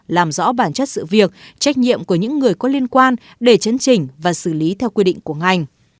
làm rõ bản chất sự việc trách nhiệm của những người có liên quan để chấn chỉnh và xử lý theo quy định của ngành